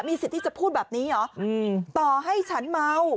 สิทธิ์ที่จะพูดแบบนี้เหรอต่อให้ฉันเมา